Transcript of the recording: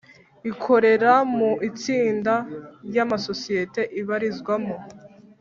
Ikorera mu itsinda ry’amasosiyete ibarizwamo